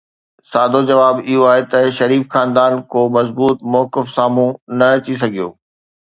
سادو جواب اهو آهي ته شريف خاندان ڪو مضبوط موقف سامهون نه اچي سگهيو.